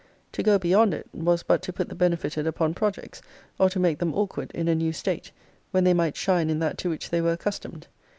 To go beyond it, was but to put the benefited upon projects, or to make them awkward in a new state; when they might shine in that to which they were accustomed.